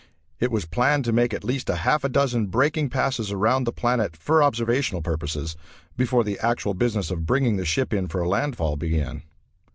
It was planned to make at least a half dozen braking passes around the planet for observational purposes before the actual business of bringing the ship in for landfall began.